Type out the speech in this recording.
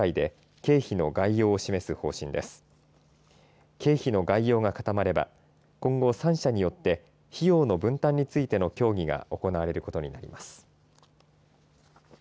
経費の概要が固まれば今後、３者によって費用の分担についての協議が行われることになります。